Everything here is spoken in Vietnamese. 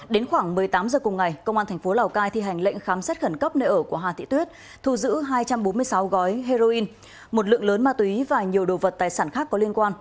đến khoảng một mươi tám h cùng ngày công an thành phố lào cai thi hành lệnh khám xét khẩn cấp nơi ở của hà thị tuyết thu giữ hai trăm bốn mươi sáu gói heroin một lượng lớn ma túy và nhiều đồ vật tài sản khác có liên quan